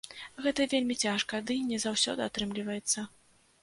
Гэта вельмі цяжка, дый не заўсёды атрымліваецца.